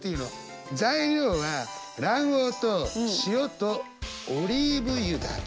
材料は卵黄と塩とオリーブ油だけ！